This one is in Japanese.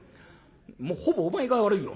「もうほぼお前が悪いよ